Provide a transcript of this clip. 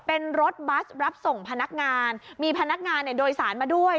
เป็นรถบัสรับส่งพนักงานมีพนักงานเนี่ยโดยสารมาด้วย